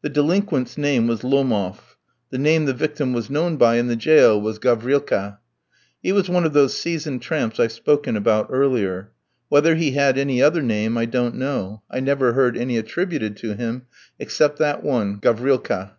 The delinquent's name was Lomof; the name the victim was known by in the jail was Gavrilka. He was one of those seasoned tramps I've spoken about earlier. Whether he had any other name, I don't know; I never heard any attributed to him, except that one, Gavrilka.